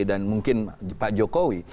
dan mungkin pak jokowi